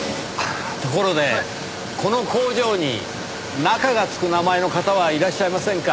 ところでこの工場に「中」がつく名前の方はいらっしゃいませんか？